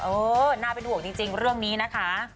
เออน่าเป็นห่วงจริงเรื่องนี้นะคะ